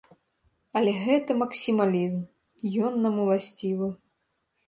Але гэта максімалізм, ён нам уласцівы.